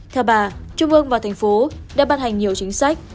theo bà trung ương và thành phố đã ban hành nhiều chính sách